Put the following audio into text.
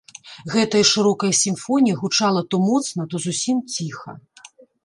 Гэтая шырокая сімфонія гучала то моцна, то зусім ціха.